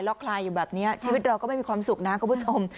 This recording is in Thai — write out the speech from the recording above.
แล้วคลายอยู่แบบนี้ชีวิตเราก็ไม่มีความสุขนะคุณผู้ชม